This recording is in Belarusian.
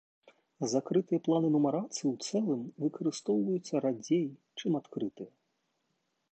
Закрытыя планы нумарацыі, у цэлым, выкарыстоўваюцца радзей, чым адкрытыя.